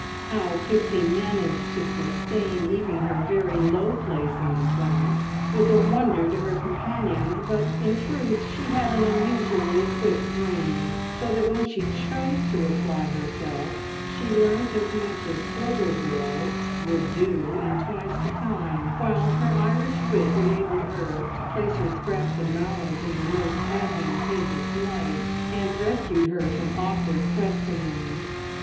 How Pixie managed to sustain even her very low place in the class was a wonder to her companions; but in truth she had an unusually quick brain, so that when she chose to apply herself she learnt as much as slower girls would do in twice the time, while her Irish wit enabled her to place her scraps of knowledge in the most advantageous light, and rescued her from awkward questionings.